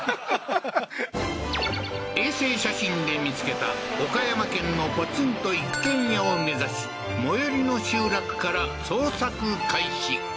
はっ衛星写真で見つけた岡山県のポツンと一軒家を目指し最寄りの集落から捜索開始